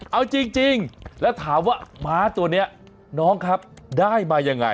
เอาจริงแล้วถามว่าม้าตัวนี้น้องครับได้มายังไง